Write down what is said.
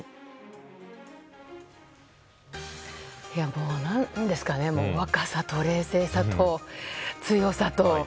もう何ですかね若さと冷静さと強さと。